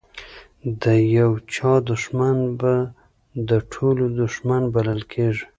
د یو چا دښمن به د ټولو دښمن بلل کیږي.